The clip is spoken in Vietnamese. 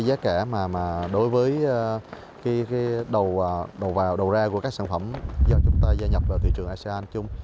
giá kẻ đối với đầu ra của các sản phẩm do chúng ta gia nhập vào thị trường asean chung